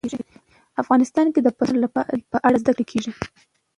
افغانستان کې د پسونو په اړه زده کړه کېږي.